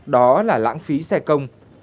đó là lãng phí xe công